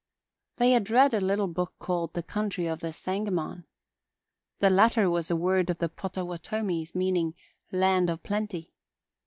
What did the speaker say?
... They had read a little book called The Country of the Sangamon. The latter was a word of the Pottawatomies meaning "land of plenty."